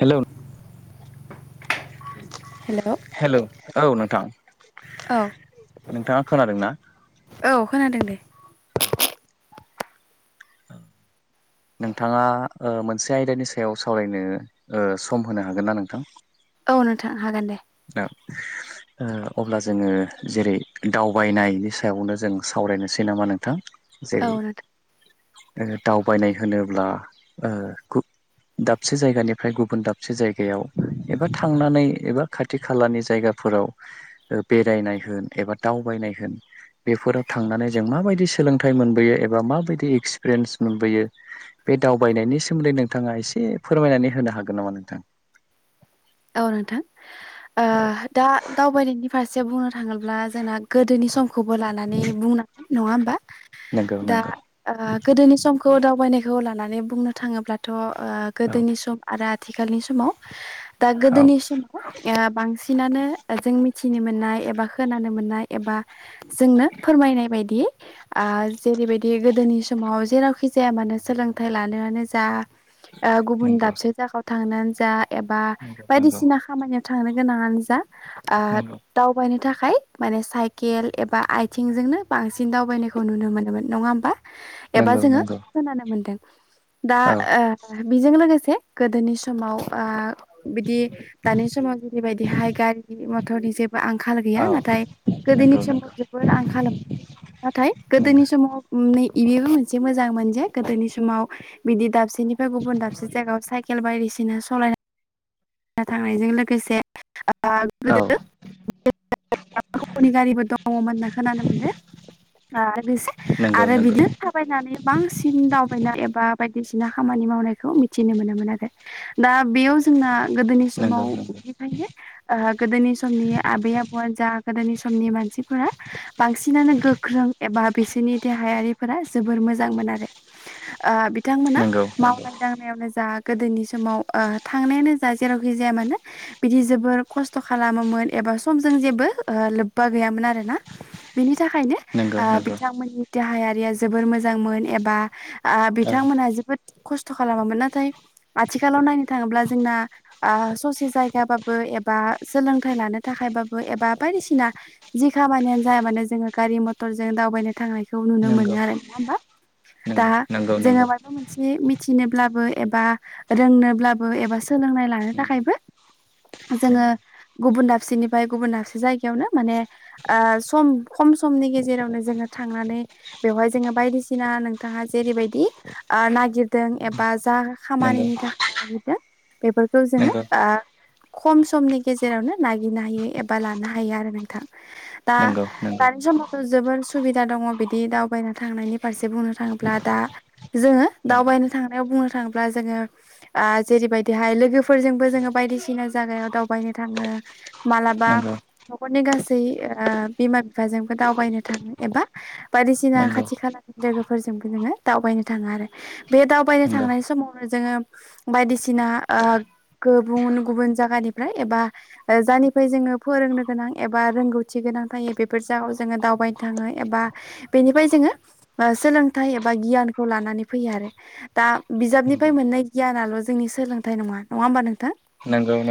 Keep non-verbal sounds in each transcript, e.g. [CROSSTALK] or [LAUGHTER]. हेल' hello hello औ नोंथां। औ नोंथाङा खोनादोंना औ खोनादों दे औ। औ। नोंथाङा ओ मोनसे आयदानि सायाव सावरायनो सम होनो हागोन ना नोंथां? औ नोंथां हागोन दे। औ। ओ अब्ला जोङो जेरै दावबायनायनि सायावनो जों सावरायनोसै नामा नोंथां? औ जेरै नोंथां दावबायनाय ओ होनोब्ला ओ गु दाबसे जायगानिफ्राय गुबुन दाबसे जायगायाव एबा थांनानै एबा। खाथि खालानि जायगाफोराव ओ बेरायनाय होन एबा दावबायनाय होन बेफोराव थांनानै जों माबायदि सोलोंथाइ मोनबोयो एबा माबायदि एक्सपिरियेन्स मोनबोयो। बे दावबायनायनि सोमोन्दै नोंथाङा एसे फोरमायनानै होनो हागोन नामा नोंथां? औ नोंथां ओ दा दावबायनायनि फारसे बुंनो था थाङोब्ला जोंना गोदोनि समखौबो लानानै बुंनांगोन नङा होमबा? नंगौ दा नंगौ ओ गोदोनि समखौ दावबायनायखौ खौ लानानै बुंनो थाङोब्लाथ' ओ औ गोदोनि सम आरो आथिखालनि समाव। दा औ गोदोनि समाव बांसिनानो। ओ जों मिथिनो मोननाय एबा खोनानो मोननाय एबा जोंनो फोरमायनाय बायदियै। ओ जेरै बायदि गोदोनि समाव जेरावखि जाया मानो सोलोंथाइ लानायानो जा ओ गुबुन नंगौ दाबसे जागायाव थांनानै जा एबा नंगौ नंगौ बायदिसिना खामानि। थांनो गोनाङानो जा ओ नंगौ दावबायनो थाखाय। खाय माने साइकेल एबा आथिंजोंनो बांसिन दावबायनायखौ नुनो मोनोमोन नङा होमबा? एबा नंगौ जोङो नंगौ खोनानो मोनदों। दा औ ओ बेजों लोगोसे गोदोनि समाव ओ बिदि दानि समाव जेरै बायदि हाय गारि मथरनि जेबो आंखाल औ गैया नाथाय। गोदोनि नंगौ समाव नंगौ जोबोर आंखालमोन नाथाय नंगौ गोदोनि समाव नै बेबो मोनसे मोजां मोनजे गोदोनि समाव बिदि दाबसेनिफ्राय गुबुन दाबसे जागायाव साइ साइकेल बायदिसिना सलायनानै ना थांनायजों लोगोसे ओ औ गोदो [INAUDIBLE] [INAUDIBLE] गारिबो दङ'मोन होनना खोनानो मोनदो। ओ बेसे नंगौ आरो नंगौ बिदिनो थाबायनानै बांसिन दावबायनाय एबा बायदिसिना खामानि मावनायखौ मिथिनो मोनोमोन आरो। दा बियाव जोंना गोदोनि नंगौ नंगौ समाव बिनिखायनो ओ गोदोनि समनि आबै आबौआ जा गोदोनि समनि मानसि। फ्रा बांसिनानो गोख्रों एबा बिसोरनि देहायारिफोरा जोबोर मोजांमोन आरो ओ। बिथांमोना नंगौ मावनाय दांनायावनो जा गोदोनि समाव ओ थांनायानो जेरावखि जाया मानो बिदि जबोर खस्थ' खालामोमोन एबा समजों जेबो लोब्बा गै यामोन आरोना। बिनि बिनि थाखायनो नंगौ नंगौ बिथांमोननि देहायारिया जोबोर मोजांमोन एबा ओ औ बिथांमोनहा जोबोद खस्थ' खालामोमोन नाथाय आथिखालाव नायनो थाङोब्ला जोंना ओ ससे जायगाबाबो एबा सोलोंथाइ लानो थाखायबाबो एबा बायदिसिना जि खामानियानो जाया मानो जोङो गारि मथरजों दावबायनो थांनायखौ नुनो मोनो आरो नङा होमबा उ दा जोङो माबा मोनसे मिथिनोब्लाबो एबा रोंनोब्लाबो एबा सोलोंनाय लानो थाखायबो जोङो गुबुन दाबसेनिफ्राय गुबुन दाबसे जायगायावनो माने ओ सम खम नि गेजेरावनो जोङो थांनानै बेहाय जोङो बायदिसिना नोंथाङा जेरैबायदि ओ नागिरदों एबा जा नंगौ खामानिनि थाखाय नागिरदों बेफोरखौ नंगौ जोङो आ खम समनि गेजेरावनो नागिरनो हायो एबा लानो हायो आरो नोंथां दा नंगौ नंगौ नंगौ दानि समावथ' जोबोर सुबिदा दङ बिदि दावबायनो थांनायनि फारसे बुंनो थाङोब्ला दा जोङो नंगौ दावबायनो थांनायाव बुंनो थाङोब्ला जोङो जेरैबायदि बेहाय लोगोफोरजोंबो जोङो बायदिसिना जागायाव दावबायनो थाङो नंगौ मालाबा न'खरनि गासै बिमा बिफाजोंबो दावबायनो थाङो एबा बायदिसिना खाथि खाला लोगोफोरजोंबो नोङो दावबायनो थाङो आरो बे दावबायनो नंगौ थांनाय समावनो जोङो बायदिसिना [UNINTELLIGIBLE] गुबुन गुबुन जागानिफ्राय एबा जायनिफ्राय जोङो फोरोंनो गोनां एबा रोंगौथि गोनां बेफोर जागायाव जोङो दावबायनो थाङो एबा बेनिफ्राय जोङो सोलोंथाइ एबा गि गियानखौ लानानै फैयो आरो दा बिजाबनिफ्राय मोननाय गियानाल' जो जोंनि सोलोंथाय ना नङा होमबा नोंथां नंगौ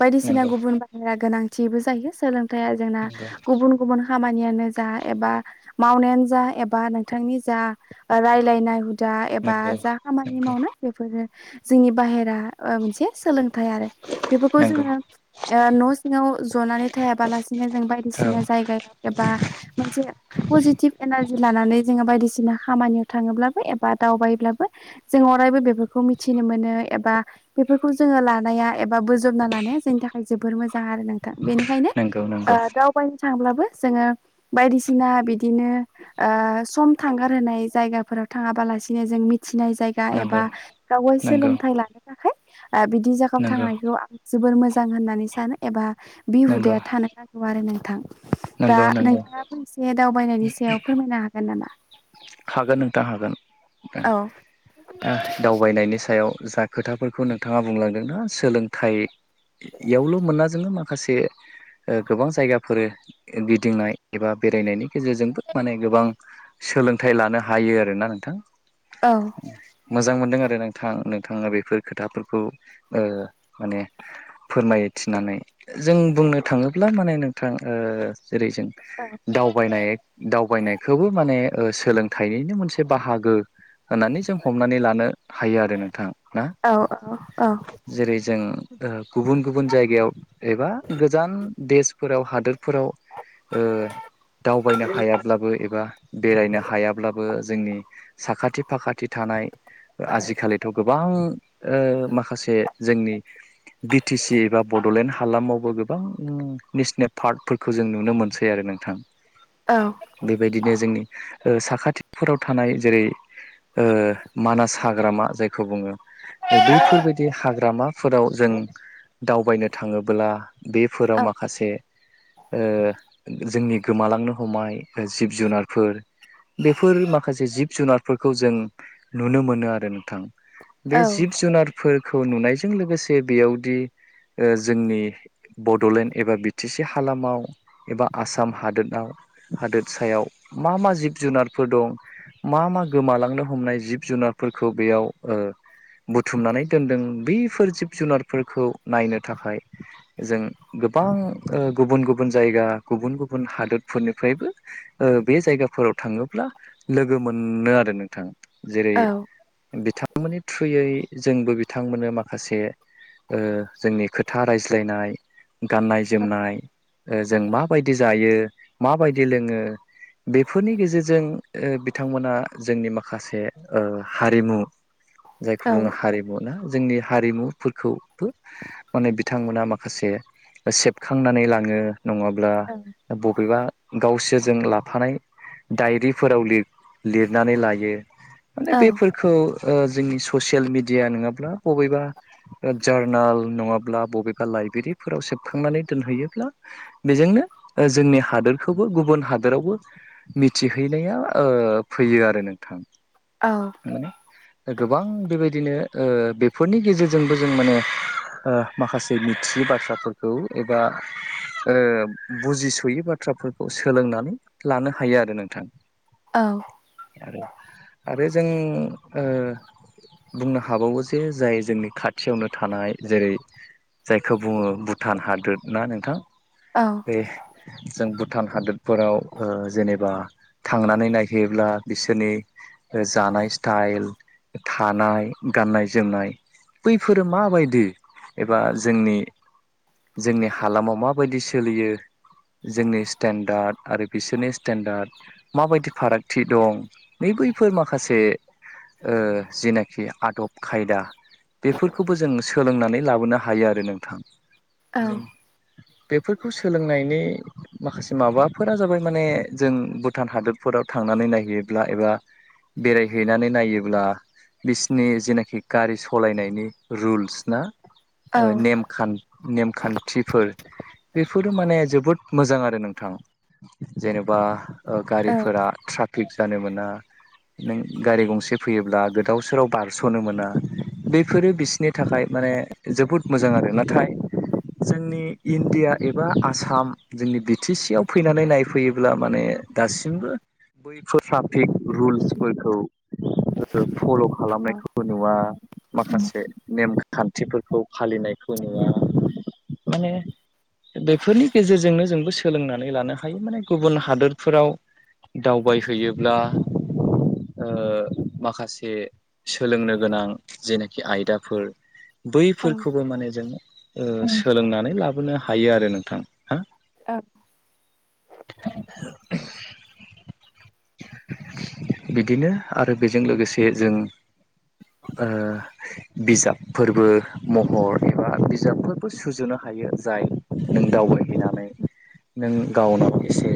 बायदिसिना गुबुन बाहेरा गोनां थिबो जायो सोलोंथाइआ जोंना गुबुन गुबुन खामानियानो जा एबा मावनायानो जा एबा नोंथांनि जा रायलायनाय हुदा नंगौ एबा जा खामानि मावनाय बेफोरो जोंनि बाहेरा मोनसे सोलोंथाइ आरो बेफोरखौ नंगौ जोङो न' सिङाव जनानै थायाबालासिनो जों औ बायदिसिना जायगायाव एबा मोनसे पजिटिभ एनारजि लानानै जोङो बायदिसिना खामानियाव थाङोब्लाबो एबा दावबायोब्लाबो जों अरायबो बे रखौ मिथिनो मोनो एबा बेफोरखौ जोङो लानाया एबा बोजबना लानाया जोंनि थाखाय जोबोर मोजां आरो नोंथां बेनिखायनो नंगौ नंगौ दावबायनो थांब्लाबो जोङो बायदिसिना बिदिनो ओ सम थांगार होनाय जायगाफोराव थाङाबालासिनो जों मिथिनाय जायगा नंगौ एबा गावगाय नंगौ सोलोंथाइ लानो थाखाय बिदि जागायाव नंगौ थांनायखौ आं जोबोर मोजां होननानै सानो ए बा बे नंगौ हुदाया थानो नांगौ आरो नोंथां दा नंगौ नंगौ नोंथाङा फंसे दावबायनायनि सायाव फोरमायनो हागोन नामा? हागोन नोंथां हागोन औ दावबायनायनि सायाव जा खोथाफोरखौ नोंथाङा बुंलांदोंना सोलोंथाइ यावल' मोना जोङो माखासे गोबां जायगाफोर गिदिंनाय एबा बेरायनायनि गेजेरजोंबो माने गोबां सोलों थाय लानो हायो आर ना नोंथां औ मोजां मोनदों आरो नोंथां नोंथाङा बेफोर खोथाफोरखौ माने फोरमाय थिनानै जों बुंनो थाङोब्ला माने नोंथां ओ जेरै जों औ दावबायनाय दावबायनायखौबो माने सो सोलोंथाइनिनो मोनसे बाहागो होननानै जों हमनानै लानो हायो आरो नोंथाङा ना औ औ जेरै जों गुबुन गुबुन जायगायाव एबा गोजान देशफोराव हादोर फोराव दावबायनो हायाब्लाबो एबा बेरायनो हा याब्लाबो जोंनि साखाथि फाखाथि थानाय आजिखालिथ' गोबां ओ माखासे जोंनि बा टि सि एबा बड'लेण्ड हालामाव बो गोबां नेसनेल पार्कफोरखौ जों नुनो मोनसै आरो नोंथां औ बेबायदिनो जोंनि साखाथिफोराव थानाय जेरै मानास हाग्रामा जायखौ बुङो बैफोरबायदि हाग्रामाफोराव जों दावबायनो थाङोब्ला बेफोराव माखासे ओ जोंनि गोमालांनो हमाय जिब जुनारफोर बेफोर माखासे जिब जुनारफोरखौ जों नुनो मोनो आरो नोंथां बे औ जिब जुनारफोरखौ नुनायजों लोगोसे बेयावदि जोंनि बड'लेण्ड एबा बि टि सि हालामाव एबा आसाम हादोराव हादोर सायाव मा मा जिब जिब जुनारफोर दं मा मा गोमालांनो हमनाय जिब जुनारफोरखौ बेयाव बुथुमनानै दोनदों बफोर जिब जुनारफोरखौ नायनो थाखाय जों गोबां गुबुन गुबुन जायगा गुबुन गुबुन हादोरफोरनिफ्रायबो बे जायगाफोराव थांङोब्ला लोगो मोनो आरो नोंथां जेरै बिथां बिथांमोननि थ्रुयै जोंबो बिथांमोननो माखासे जोंनि खोथा रायज्लायनाय गाननाय - जोमनाय जों माबायदि जायो माबायदि लोंङो बेफोर फोरनि गेजेरजों बिथांमोना जोंनि माखासे हारिमु जायखौ औ बुंङो हारिमु ना जोंनि हारिमुफोरखौबो माने बिथांमोना माखासे सेबखांनानै लांङो नंङाब्ला औ बबेबा गावसोरजों लाफानाय डायरिफोराव लिरनानै लायो माने बेफोरखौ जोंनि ससियेल मिडिया नंङाब्ला बबेबा जारनाल नंङाब्ला बबेबा लाइ लाइरिद सेबखांनानै दोनैयोब्ला बेजोंनो जोंनि हादोरखौबो गुबुन हादोराव मिथिहैनाया फैयो आरो नोंथां औ माने गोबां बेबायदिनो बेफोरनि गेजेरजोंबो जों माने माखासे मिथियै बाथ्राफोरखौ एबा बुजिसोयै बाथ्रा फोरखौ सोलोंनानै लानो हायो आरो नोंथां औ आरो आरो जों बुंनो हाबावो जे जाय जोंनि खाथियावनो थानाय जेरै जायखौ बुंङो भुटान हादोर ना नोंथां बे जों भुटान हादोरफोराव जेनेबा थांनानै नायहैयोब्ला बिसोरनि जानाय स्टाइल थानाय गाननाय जोमनाय बैफोरो माबायदि एबा जोंनि जोंनि हालामाव माबायदि सोलियो जोंनि स्टेन्डार्ड आरो बिसोरनि स्टेन्डार्ड माबायदि फारागथि दं नैबे बेफोर माखासे जेनाखि आदब खायदा बेफोरखौबो जों सोलोंनानै लाबोनो हायो आरो नोंथां बेफोरखौ सोलोंनायनि माखासे माबाफोरा जाबाय माने जों भुटान हादोरफोराव थांनो नायहैयोब्ला एबा बेरायहैनानै नायोब्ला बिसनि जेनाखि गारि सालायनायनि रुल्स ना नेम नेमखान्थिफोर बेफोरो माने जोबोद मोजां आरो नोंथां जेनेबा औ गारिफोरा ट्राफिक जानो मोना नों गारि गंसे फैयोब्ला गोदाव सोराव बारस'नो मोना बेफोरो बिसनि थाखाय माने जोबोद मोजां आरो नाथाय जोंनि इण्डिया एबा आसाम जोंनि बि टि सि आव फैनानै नायफैयोब्ला माने दासिमबो बैफोर ट्राफिक रुल्सफोरखौ फल' खालामनायखौबो नुवा माखासे नेम खान्थिफोरखौ फालिनाय खौ नुवा माने बेफोरनि गेजेरजोंनो जोंबो सोलोंनानै लानो हायो माने गुबुन हादोरफोराव दावबायहैयोब्ला ओ माखासे सोलोंनो गोनां जेनोखि आयदाफोर बैफोरखौबो माने जों ओ सोलोंनानै लाबोनो हायो आरो नोंथां। हा औ बिदिनो आरो बेजों लोगोसे जों ओ बिजाबफोरबो महर एबा बिजाबफोरबो सुजुनो हायो। हायो जाय नों दावबायहैनानै नों गावनाव एसे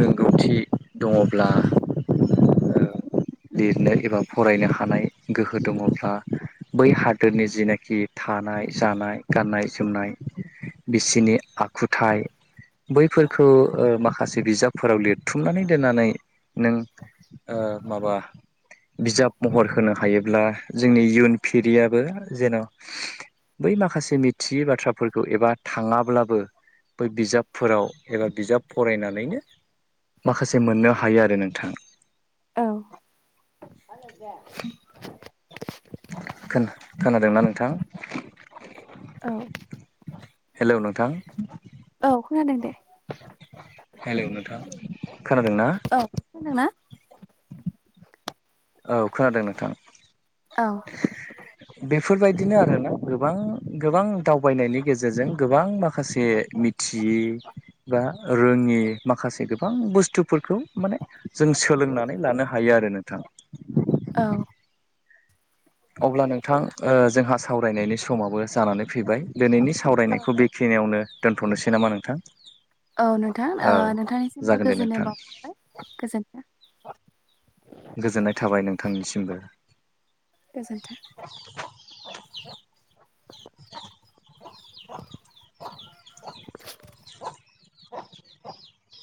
रोंगौथि दङब्ला ओ लिरनो एबा फरायनो हानाय गोहो दङब्ला बै हादोरनि जिनाखि थानाय जानाय गाननाय जोमनाय बिसिनि आखुथाइ बैफोरखौ ओ माखासे बिजाबफोराव लिरथुमनानै दोननानै नों ओ माबा बिजाब महर होनो हायोब्ला जोंनि इयुन फिरियाबो जेन' बै माखासे मिथियै बाथ्राफोरखौ एबा थाङाब्लाबो बै बिजाबफोराव एबा बिजाब फरायनानैनो माखासे मोननो हायो आरो नोंथां। औ खोना-खोनादोंना नोंथां? औ हेलौ नोंथां औ खोनादों दे। हेलौ नोंथां खोनादोंना औ खोनादोंना? औ खोनादों नोंथां औ बेफोरबायदिनो आरोना। गोबां गोबां दावबायनायनि गेजेरजों गोबां माखासे मिथियै बा रोङि माखासे गोबां बुस्थुफोरखौ माने जों सोलोंनानै लानो हायो आरो ना। थां औ अब्ला नोंथां ओ जोंहा सावरायनायनि समाबो जानानै फैबाय दोनैनि सावरायनायखौ बेखिनियावनो दोनथ'नोसै नामा नोंथां? नोंथां ओ औ नोंथांनिसिमबो जागोन दे गोजोननाय नोंथां। बावहरबाय गोजोन्थों गोजोननाय थाबाय नोंथांनिसिमबो। गोजोनथों। [UNINTELLIGIBLE] [UNINTELLIGIBLE]